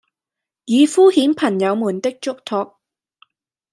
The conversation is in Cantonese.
以敷衍朋友們的囑托，